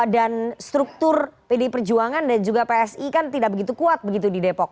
dan struktur pdi perjuangan dan juga psi kan tidak begitu kuat begitu di depok